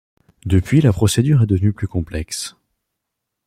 Depuis la procédure est devenue plus complexe.